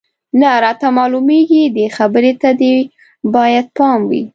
نه راته معلومېږي، دې خبرې ته دې باید پام وي.